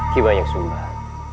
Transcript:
ki banyak sumbah